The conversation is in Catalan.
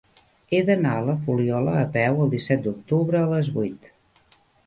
He d'anar a la Fuliola a peu el disset d'octubre a les vuit.